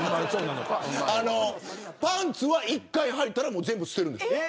パンツは１回履いたら捨てるんです。